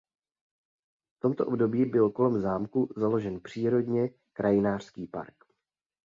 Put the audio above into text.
V tomto období byl kolem zámku založen přírodně krajinářský park.